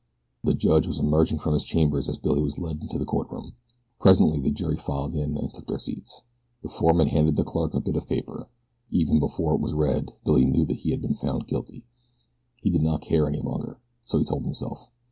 The judge was emerging from his chambers as Billy was led into the courtroom. Presently the jury filed in and took their seats. The foreman handed the clerk a bit of paper. Even before it was read Billy knew that he had been found guilty. He did not care any longer, so he told himself.